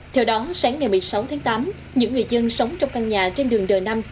theo đó sáng ngày một mươi sáu tháng tám những người dân sống trong căn nhà trên đường đờ năm